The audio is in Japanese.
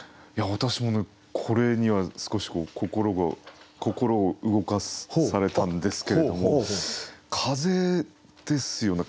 私もこれには少し心を動かされたんですけれども風ですよね。